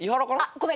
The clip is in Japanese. ごめん。